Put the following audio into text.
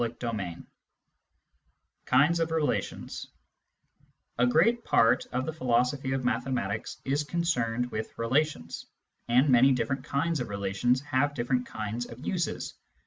CHAPTER V KINDS OF RELATIONS A great part of the philosophy of mathematics is concerned with relations, and many different kinds of relations have different kinds of uses.